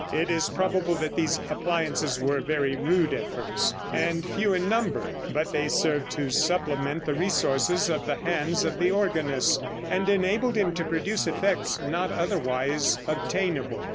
It is probable that these appliances were very rude at first, and few in number, but they served to supplement the resources of the hands of the organist, and enabled him to produce effects not otherwise obtainable.